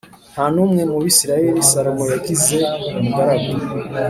Nta n umwe mu Bisirayeli Salomo yagize umugaragu